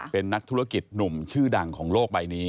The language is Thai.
เป็นนักธุรกิจหนุ่มชื่อดังของโลกใบนี้